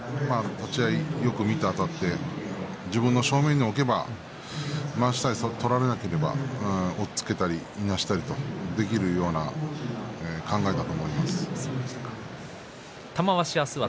よく見てあたって自分の正面に置けばまわしさえ取られなければ押っつけたりいなしたりできるような考えだと思います。